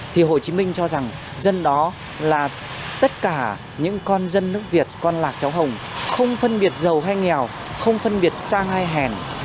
thì hồ chí minh cho rằng dân đó là tất cả những con dân nước việt con lạc cháu hồng không phân biệt giàu hay nghèo không phân biệt sang hay hèn